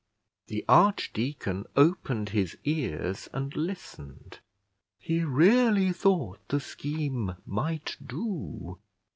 The archdeacon opened his ears and listened; he really thought the scheme might do.